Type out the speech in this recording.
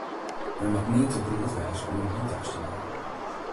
Men moat nea te beroerd wêze om in hantaast te dwaan.